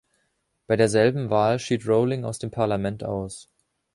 Bei derselben Wahl schied Rowling aus dem Parlament aus.